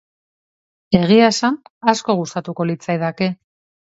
Egia esan, asko gustatuko litzaidake.